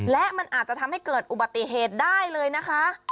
และมันอาจจะทำให้เกิดอุบัติเหตุได้เลยนะคะ